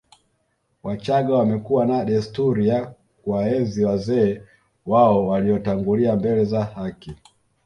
Wachaga wamekuwa na desturi ya kuwaenzi wazee wao waliotangulia mbele za haki